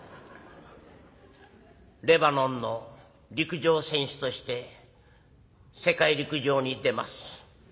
レバノンの陸上選手として世界陸上に出ます。